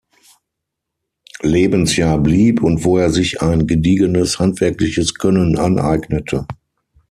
Lebensjahr blieb und wo er sich ein gediegenes handwerkliches Können aneignete.